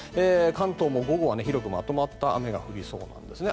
関東も午後は広くまとまった雨が降りそうなんですね。